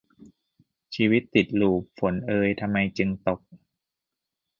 ชีวิตติดลูป ฝนเอยทำไมจึงตก